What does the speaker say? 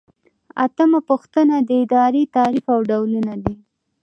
اتمه پوښتنه د ادارې تعریف او ډولونه دي.